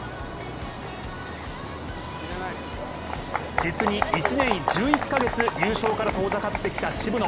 実に１年１１カ月優勝から遠ざかってきた渋野。